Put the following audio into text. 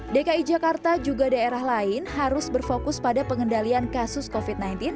dki jakarta juga daerah lain harus berfokus pada pengendalian kasus covid sembilan belas